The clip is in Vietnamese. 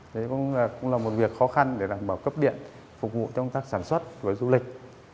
đó cũng là một việc khó khăn để đảm bảo cấp điện phục vụ trong các sản xuất với du lịch